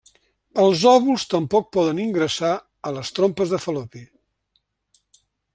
Els òvuls tampoc poden ingressar a les trompes de Fal·lopi.